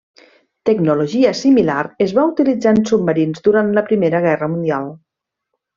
Tecnologia similar es va utilitzar en submarins durant la Primera Guerra Mundial.